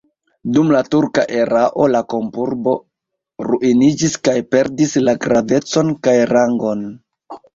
Dum la turka erao la kampurbo ruiniĝis kaj perdis la gravecon kaj rangon.